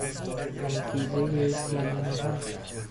انگیزهی زیان آور